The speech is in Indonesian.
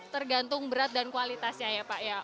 tergantung berat dan kualitasnya ya pak ya